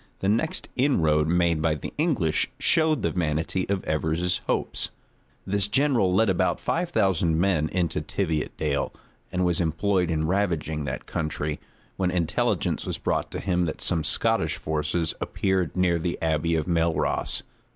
The next inroad made by the English showed the vanity of Evers's hopes. {1545.} This general led about five thousand men into Tiviotdale, and was employed in ravaging that country; when intelligence was brought him that some Scottish forces appeared near the abbey of Melross.